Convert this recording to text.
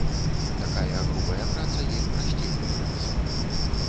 Такая грубая праца ім прасцей даецца.